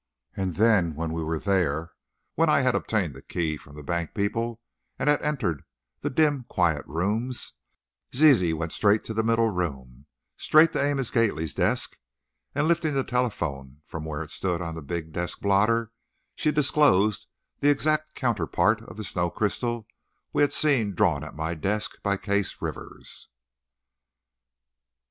And then, when we were there, when I had obtained the keys from the bank people and had entered the dim, quiet rooms, Zizi went straight to the middle room, straight to Amos Gately's desk, and lifting the telephone from where it stood on the big desk blotter, she disclosed the exact counterpart of the snow crystal we had seen drawn at my desk by Case Rivers!